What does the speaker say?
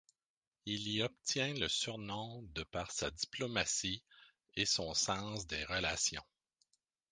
Il y obtient le surnom de par sa diplomatie et son sens des relations.